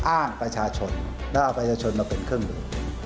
อ้างประชาชนแล้วเอาประชาชนมาเป็นเครื่องมือ